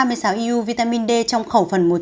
hai trăm ba mươi sáu eu vitamin d trong khẩu phần